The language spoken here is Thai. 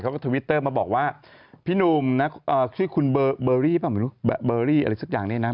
เขาก็ทวิตเตอร์มาบอกว่าพี่หนุ่มชื่อคุณเบอร์รี่อะไรสักอย่างนี่นะ